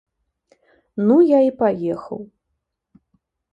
Ну я і паехаў.